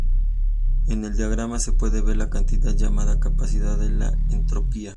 En el diagrama se puede ver la cantidad llamada capacidad de la entropía.